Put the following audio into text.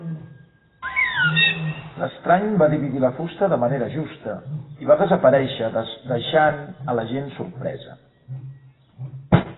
L'estrany va dividir la fusta de manera justa i va desaparèixer, deixant a la gent sorpresa.